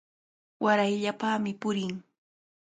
Warayllapami purin.